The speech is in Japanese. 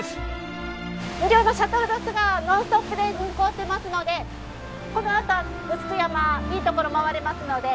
無料のシャトルバスがノンストップで運行していますのでこのあと城山いい所回れますので。